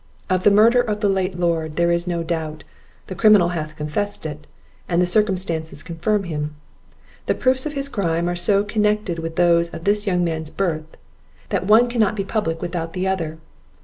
Of the murder of the late Lord there is no doubt; the criminal hath confessed it, and the circumstances confirm it; the proofs of his crime are so connected with those of the young man's birth, that one cannot be public without the other.